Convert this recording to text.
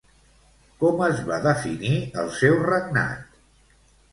Com es va definir el seu regnat?